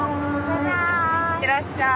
いってらっしゃい。